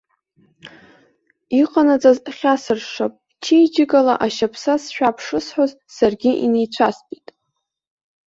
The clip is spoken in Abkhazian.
Иҟанаҵаз хьасыршшап, чеиџьыкала ашьаԥса сшәап шысҳәоз, саргьы инеицәастәит.